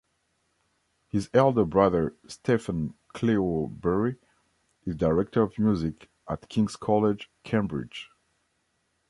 His elder brother Stephen Cleobury is Director of Music at King's College, Cambridge.